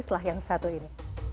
setelah yang satu ini